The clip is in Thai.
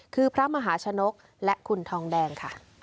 คือพระมหาชนกและคุณทองแดงค่ะ